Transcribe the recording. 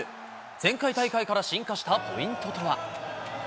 前回大会から進化したポイントとは？